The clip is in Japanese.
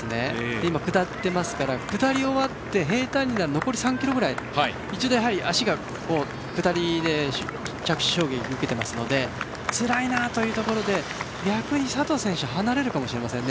今、下っていますから下り終わって平たんになる残り３ｋｍぐらい一度、足が下りで着地衝撃を受けていますのでつらいなというところで逆に佐藤選手離れるかもしれませんね。